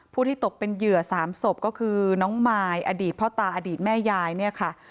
ที่ตกเป็นเหยื่อ๓ศพก็คือน้องมายอดีตพ่อตาอดีตแม่ยายเนี่ยค่ะ